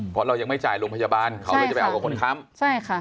เพราะเรายังไม่จ่ายโรงพยาบาลเขาเลยจะไปเอากับคนค้ำใช่ค่ะ